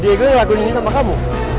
diego yang lakukan ini sama kamu